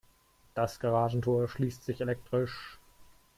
Das Garagentor schließt sich elektrisch.